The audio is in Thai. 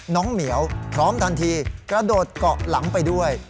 เหมียวพร้อมทันทีกระโดดเกาะหลังไปด้วย